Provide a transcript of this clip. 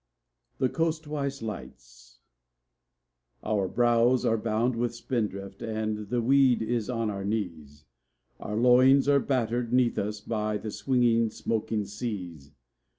THE COASTWISE LIGHTS Our brows are bound with spindrift and the weed is on our knees; Our loins are battered 'neath us by the swinging, smoking seas.